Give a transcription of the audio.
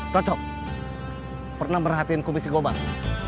toto pernah perhatiin kubis si gobang